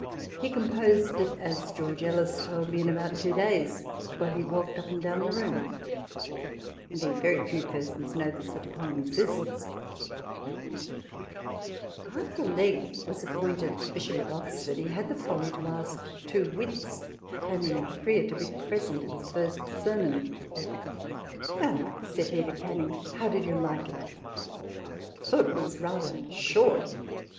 He composed it (as George Ellis told me) in about, two days, while he walked up and down the room. Indeed, very few persons know that such a poem exists. * A short poem printed for Ridgeway, 1806, 4to. 120 RECOLLECTIONS OF THE After Legge was appointed Bishop of Oxford, he had the folly to ask two wits, Canning and Frere, to be present at his first sermon. " Well," said he to Canning, " how did you like it ?"" Why I thought it rather short."